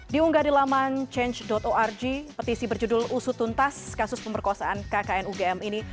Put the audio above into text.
diunggah di laman change org petisi berjudul usut tuntas kasus pemberkosaan kkn ugm ini